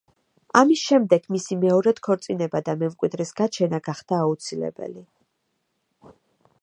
ამის შემდეგ, მისი მეორედ ქორწინება და მემკვიდრის გაჩენა გახდა აუცილებელი.